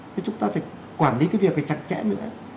thế chúng ta phải quản lý cái việc này chặt chẽ nữa